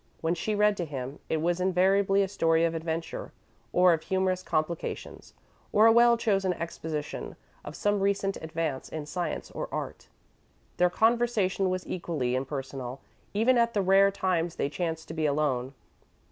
When she read to him, it was invariably a story of adventure or of humorous complications, or a well chosen exposition of some recent advance in science or art. Their conversation was equally impersonal, even at the rare times they chanced to be alone.